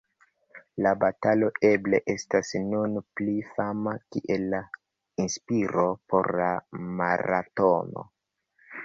La batalo eble estas nun pli fama kiel la inspiro por la maratono.